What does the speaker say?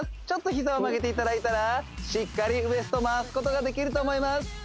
ちょっと膝を曲げていただいたらしっかりウエスト回すことができると思います